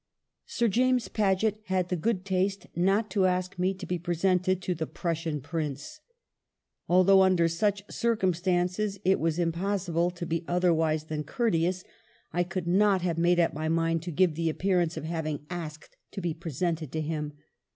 "Sir James Paget had the good taste not to ask me to be presented to the Prussian Prince. Although under such circumstances it was im possible to be otherwise than courteous, I could 138 PASTEUR not have made up my mind to give the appear ance of having asked to be presented to him.